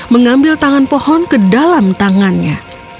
mengambil tangan pohon ke dalam tangannya